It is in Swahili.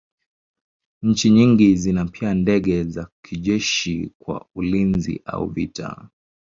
Nchi nyingi zina pia ndege za kijeshi kwa ulinzi au vita.